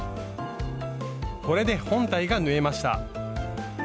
これで本体が縫えました。